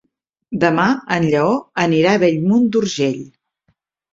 Demà en Lleó anirà a Bellmunt d'Urgell.